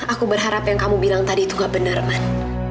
aku berharap yang kamu bilang tadi itu gak benar man